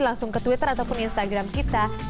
langsung ke twitter ataupun instagram kita